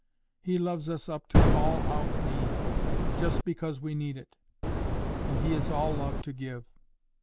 He loves us up to all our need, just because we need it, and He is all love to give."